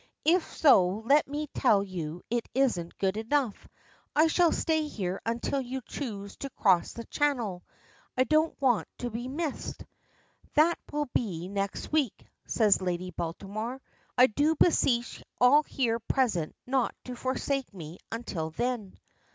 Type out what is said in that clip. "If so, let me tell you it isn't good enough. I shall stay here until you choose to cross the channel. I don't want to be missed." "That will be next week," says Lady Baltimore. "I do beseech all here present not to forsake me until then."